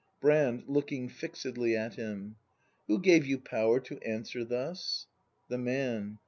Brand. [Looking fixedly at him.] Who gave you power to answer thus? The Man.